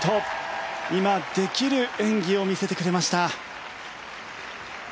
今できる演技を見せてくれました。